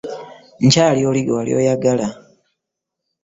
Nkyali oli gwewali oyagala.